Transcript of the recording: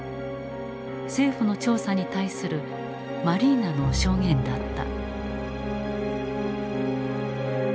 政府の調査に対するマリーナの証言だった。